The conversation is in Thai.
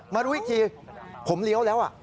รู้อีกทีผมเลี้ยวแล้ว